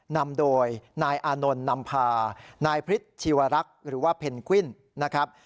นำโดยนายอานนท์นำพานายพฤษชีวรักษ์หรือว่าเพนกวิ้นนะครับ